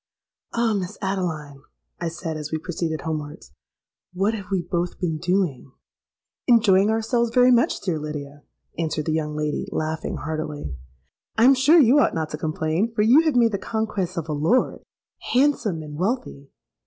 'Ah! Miss Adeline,' I said, as we proceeded homewards, 'what have we both been doing?'—'Enjoying ourselves very much, dear Lydia,' answered the young lady, laughing heartily. 'I am sure you ought not to complain, for you have made the conquest of a lord, handsome, and wealthy.'